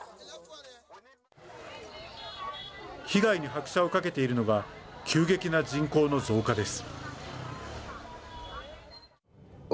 被害に拍車をかけているのが急激な人口の増加です。